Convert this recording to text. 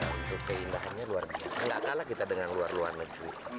untuk keindahannya luar biasa nggak kalah kita dengan luar luar negeri